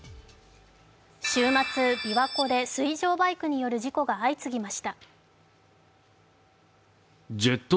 週末、びわ湖で水上バイクによる事故が相次ぎました。